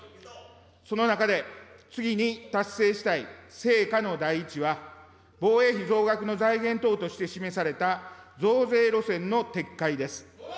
その中で、次に達成したい成果の第一は、防衛費増額の財源等として示された、増税路線の撤回です。